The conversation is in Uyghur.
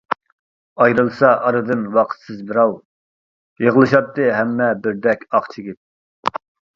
ئايرىلسا ئارىدىن ۋاقىتسىز بىراۋ، يىغلىشاتتى ھەممە بىردەك ئاق چىگىپ.